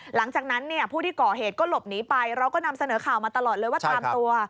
หลังจากนั้นเนี่ยผู้ที่ก่อเหตุก็หลบหนีไปเราก็นำเสนอข่าวมาตลอดเลยว่าตามตัว